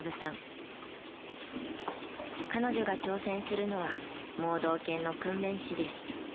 彼女が挑戦するのは盲導犬の訓練士です。